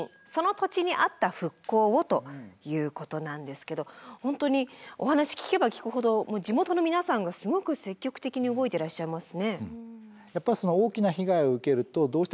ということなんですけど本当にお話聞けば聞くほど地元の皆さんがすごく積極的に動いてらっしゃいますね。